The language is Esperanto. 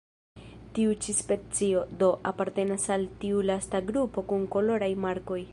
Tiu ĉi specio, do, apartenas al tiu lasta grupo kun koloraj markoj.